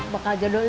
bok aja dulu